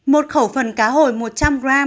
một khẩu phần cá hồi một trăm linh g